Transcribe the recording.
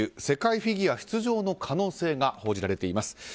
世界フィギュア出場の可能性が報じられています。